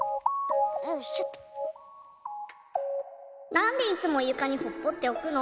「なんでいつもゆかにほっぽっておくの？